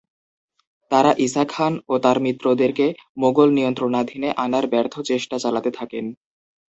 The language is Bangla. তাঁরা ঈসা খান ও তাঁর মিত্রদেরকে মুগল নিয়ন্ত্রণাধীনে আনার ব্যর্থ চেষ্টা চালাতে থাকেন।